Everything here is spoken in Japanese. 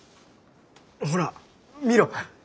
ほら見ろ。